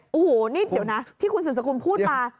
โอ้โหนี่เดี๋ยวนะที่คุณสมศักดิ์คุณพูดมา